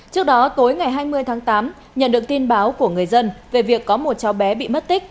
trước đó tối ngày hai mươi tháng tám nhận được tin báo của người dân về việc có một cháu bé bị mất tích